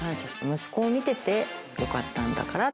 息子を見ててよかったんだから。